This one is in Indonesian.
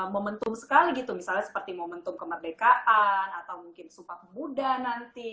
momentum sekali gitu misalnya seperti momentum kemerdekaan atau mungkin sumpah pemuda nanti